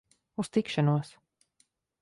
Uz tikšanos!